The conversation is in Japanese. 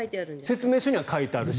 説明書には書いてあるし。